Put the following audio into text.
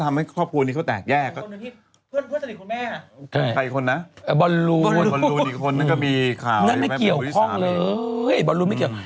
นั่นไม่เกี่ยวลายของเลยบรูซไม่เกี่ยว